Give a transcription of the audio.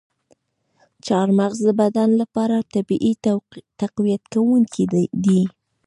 چارمغز د بدن لپاره طبیعي تقویت کوونکی دی.